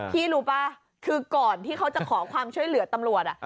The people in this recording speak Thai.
พี่รู้ป่ะคือก่อนที่เขาจะขอความช่วยเหลือตำรวจ